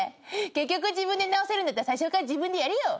結局自分で直せるんだったら最初から自分でやれよ。